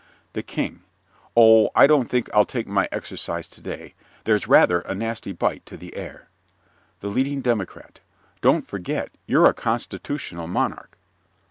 THE KING Oh, I don't think I'll take my exercise to day. There's rather a nasty bite to the air. THE LEADING DEMOCRAT Don't forget, you're a constitutional monarch.